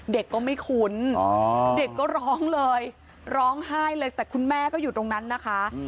เด็กก็ไม่คุ้นเด็กก็ร้องเลยร้องไห้เลยแต่คุณแม่ก็อยู่ตรงนั้นนะคะ